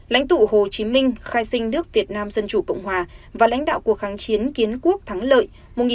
lãnh tụ hồ chí minh khai sinh nước việt nam dân chủ cộng hòa và lãnh đạo cuộc kháng chiến kiến quốc thắng lợi một nghìn chín trăm bốn mươi năm một nghìn chín trăm năm mươi bốn